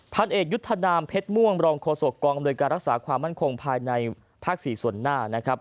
พันเอกยุทธนามเพชรม่วงรองโฆษกองอำนวยการรักษาความมั่นคงภายในภาค๔ส่วนหน้านะครับ